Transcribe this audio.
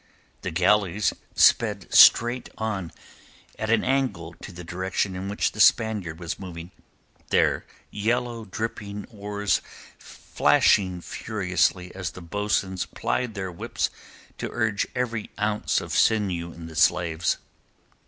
The galleys sped straight on at an angle to the direction in which the Spaniard was moving, their yellow dripping oars flashing furiously, as the bo'suns plied their whips to urge every ounce of sinew in the slaves.